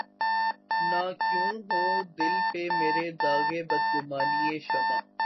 نہ کیوں ہو دل پہ مرے داغِ بدگمانیِ شمع